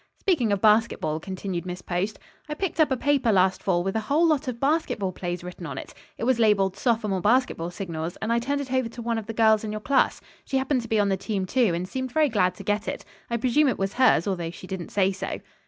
Speaking of basketball," continued Miss Post, "I picked up a paper last fall with a whole lot of basketball plays written on it. It was labeled 'Sophomore basketball signals,' and I turned it over to one of the girls in your class. She happened to be on the team, too, and seemed very glad to get it. I presume it was hers, although she didn't say so."